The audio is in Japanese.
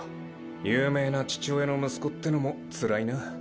有名な父親の息子ってのもつらいな。